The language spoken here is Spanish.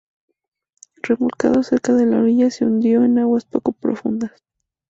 Remolcado cerca de la orilla, se hundió en aguas poco profundas.